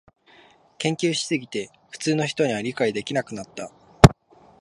研究しすぎて普通の人には理解できなくなった